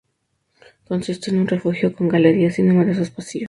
Consiste en un refugio con galerías y numerosos pasillos.